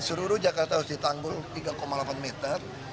seluruh jakarta harus ditanggul tiga delapan meter